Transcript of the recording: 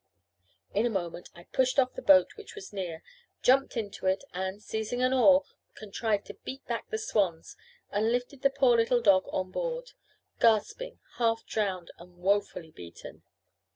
In a moment I pushed off the boat which was near, jumped into it, and, seizing an oar, contrived to beat back the swans, and lifted the poor little dog on board, gasping, half drowned, and woefully beaten.